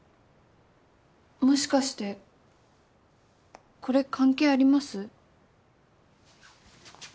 もしかしてこれ関係あります？